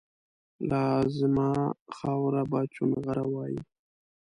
لازما خاوره به چونغره وایي